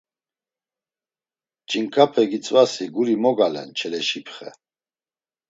“Ç̌inǩape gitzvasi guri mogalen Çeleşipxe!”